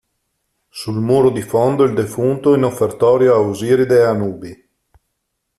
Sul muro di fondo il defunto in offertorio a Osiride e Anubi.